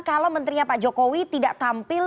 kalau menterinya pak jokowi tidak tampil